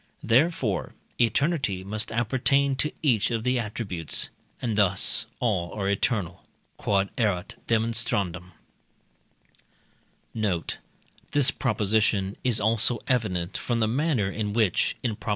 therefore, eternity must appertain to each of the attributes, and thus all are eternal. Q.E.D. Note. This proposition is also evident from the manner in which (in Prop.